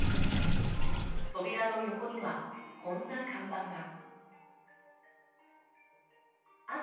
扉の横にはこんな看板が。